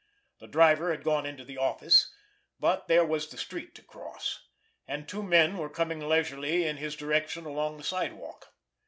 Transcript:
The driver had gone into the office, but there was the street to cross—and two men were coming leisurely in his direction along the sidewalk.